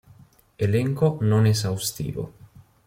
Elenco non esaustivo